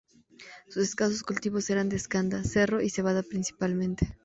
Sus escasos cultivos eran de escanda, cerro y cebada principalmente.